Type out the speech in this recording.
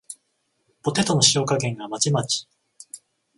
ポテトの塩加減がまちまち